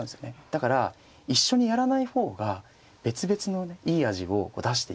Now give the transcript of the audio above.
だから一緒にやらない方が別々のねいい味を出していけると。